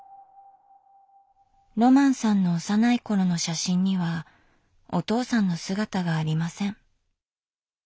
ロマンさんの幼い頃の写真にはお父さんの姿がありません。